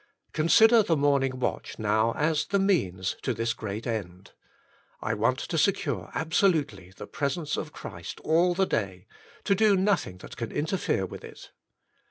Consider the morning watch now as THE Means to this great end: I want to secure absolutely the presence of Christ all the day, to do nothing that can interfere with it.